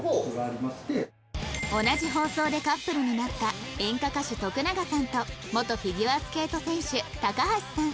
同じ放送でカップルになった演歌歌手徳永さんと元フィギュアスケート選手高橋さん